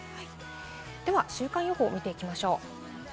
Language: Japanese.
では週間予報を見ていきましょう。